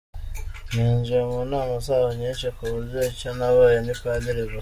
Ninjiye mu nama zabo nyinshi… ku buryo icyo ntabaye ni Padiri gusa.